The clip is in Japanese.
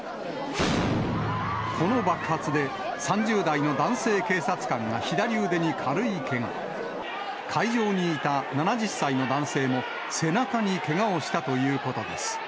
この爆発で、３０代の男性警察官が左腕に軽いけが、会場にいた７０歳の男性も背中にけがをしたということです。